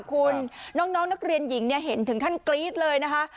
คุณน้องนักเรียนหญิงเห็นถึงขั้นกรี๊ดเลยนะคะ